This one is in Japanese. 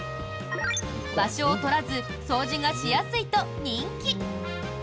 場所を取らず掃除がしやすいと人気。